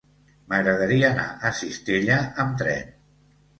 M'agradaria anar a Cistella amb tren.